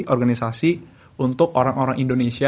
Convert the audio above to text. organisasi untuk orang orang indonesia